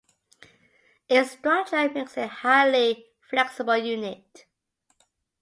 Its structure makes it a highly flexible unit.